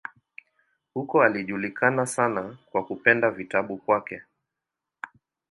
Huko alijulikana sana kwa kupenda vitabu kwake.